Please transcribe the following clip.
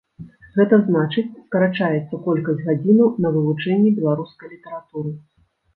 Гэта значыць, скарачаецца колькасць гадзінаў на вывучэнне беларускай літаратуры.